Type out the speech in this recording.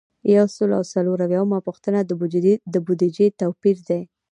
یو سل او څلور اویایمه پوښتنه د بودیجې توپیر دی.